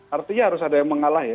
artinya harus ada yang mengalah ya